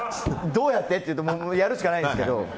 どうやってって言うとやるしかないんですけど。